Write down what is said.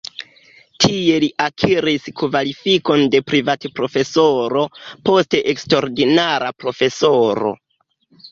Tie li akiris kvalifikon de privatprofesoro, poste eksterordinara profesoro.